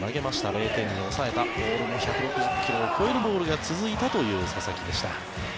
０点に抑えたボールも１６０ｋｍを超えるボールが続いたという佐々木でした。